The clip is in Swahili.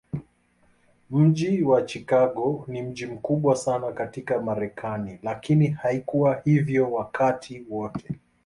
Mji wa Chicago ni mji mkubwa sana katika Marekani, lakini haikuwa hivyo wakati wote.